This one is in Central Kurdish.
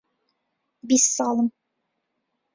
بیست ساڵم.